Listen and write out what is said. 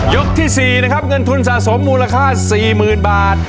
ที่๔นะครับเงินทุนสะสมมูลค่า๔๐๐๐บาท